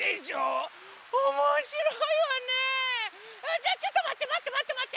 じゃあちょっとまってまってまってまって。